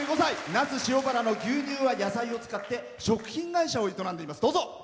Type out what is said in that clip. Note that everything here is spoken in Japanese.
那須塩原の牛乳や野菜を使って食品会社を営んでいます。